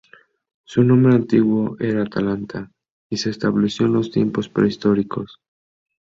Su nombre antiguo era Atalanta y se estableció en los tiempos prehistóricos.